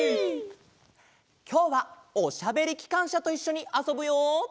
きょうは「おしゃべりきかんしゃ」といっしょにあそぶよ！